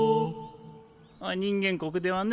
人間国ではね